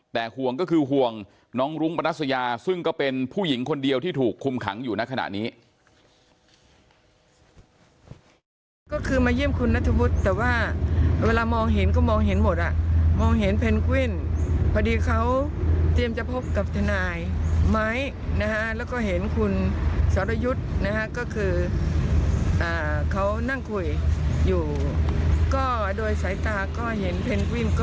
แต่ห่วงก็คือห่วงน้องรุ้งปนัสยาซึ่งก็เป็นผู้หญิงคนเดียวที่ถูกคุมขังอยู่ในขณะนี้